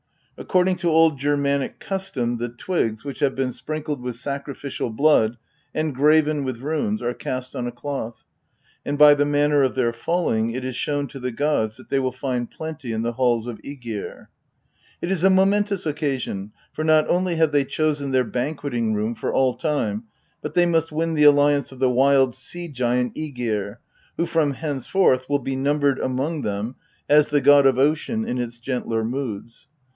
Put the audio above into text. According to old Germanic custom the twigs, which have been sprinkled with sacrificial blood and graven with runes, are cast on a cloth, and by the manner of their falling it is shown to the gods that they will find plenty in the halls of ygir. It is a momentous occasion, for not only have they chosen their banqueting room for all time, but they must win the alliance of the wild sea giant fligir, who from henceforth will be numbered among them ;t\nk e gd of ocean in its gentler moods.